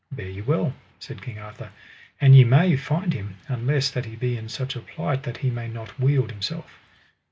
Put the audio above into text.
Bear you well, said King Arthur, an ye may find him, unless that he be in such a plight that he may not wield himself.